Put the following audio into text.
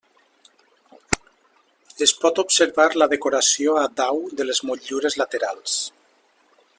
Es pot observar la decoració a dau de les motllures laterals.